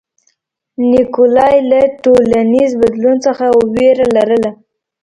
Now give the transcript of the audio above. نیکولای له ټولنیز بدلون څخه وېره لرله.